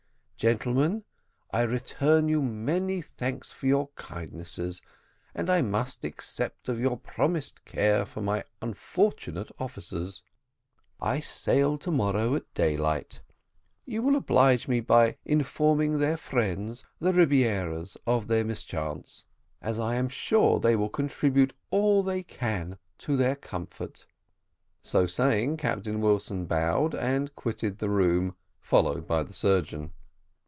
Gentlemen, I return you many thanks for your kindness, and I must accept of your promised care for my unfortunate officers. I sail to morrow at daylight. You will oblige me by informing their friends, the Rebieras, of their mischance, as I am sure they will contribute all they can to their comfort." So saying, Captain Wilson bowed and quitted the room, followed by the surgeon.